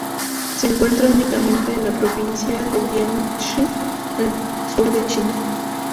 Se encuentra únicamente en la provincia de Jiangxi, del sur de China.